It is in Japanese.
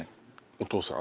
お父さん？